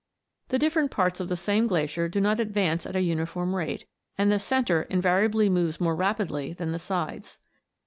The different parts of the same glacier do not advance at a uniform rate, and the centre invariably moves more rapidly than the sides.